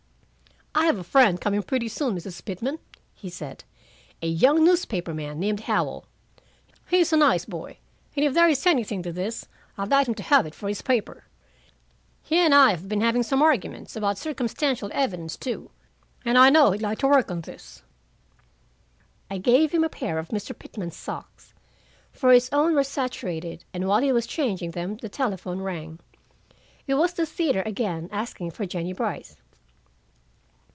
"I have a friend coming pretty soon, Mrs. Pitman," he said, "a young newspaper man, named Howell. He's a nice boy, and if there is anything to this, I'd like him to have it for his paper. He and I have been having some arguments about circumstantial evidence, too, and I know he'd like to work on this." I gave him a pair of Mr. Pitman's socks, for his own were saturated, and while he was changing them the telephone rang. It was the theater again, asking for Jennie Brice.